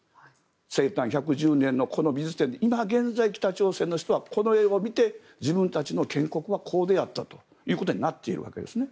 生誕１１０年のこの美術展で今現在北朝鮮の人はこの絵を見て自分たちの建国はこうであったということになっているわけです。